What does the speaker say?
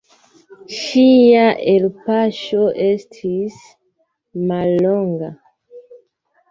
Ŝia elpaŝo estis mallonga.